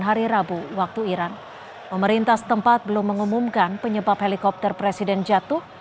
hari rabu waktu iran pemerintah setempat belum mengumumkan penyebab helikopter presiden jatuh